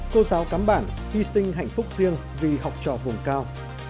cô giáo cắm bản hy sinh hạnh phúc riêng vì học trò vùng cao